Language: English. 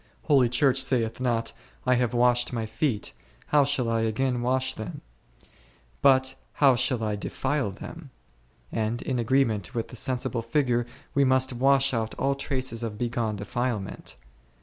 Holy Church saith not, I have washed my feet, how shall I again wash them ? but how shall I defile them ? and in agreement with the sensible figure we must wash out all traces of bygone defilement.